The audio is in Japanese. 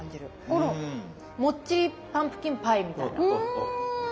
このもっちりパンプキンパイみたいな。